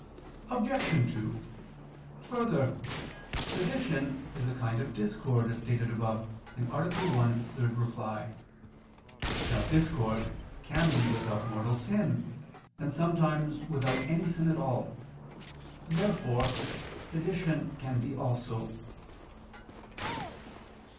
Obj. 2: Further, sedition is a kind of discord, as stated above (A. 1, ad 3). Now discord can be without mortal sin, and sometimes without any sin at all. Therefore sedition can be also.